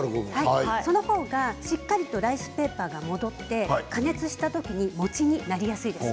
その方がしっかりとライスペーパーが戻って加熱した時に餅になりやすいです。